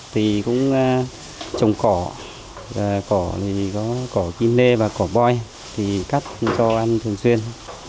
thì cũng trồng cỏ cỏ kim lê và cỏ boi thì cắt cho ăn thường xuyên